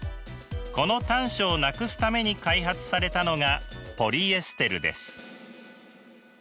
この短所をなくすために開発されたのがポリエステルです。